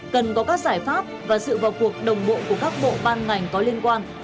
cần có các giải pháp và sự vào cuộc đồng bộ của các bộ ban ngành có liên quan